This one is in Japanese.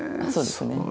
そうですね。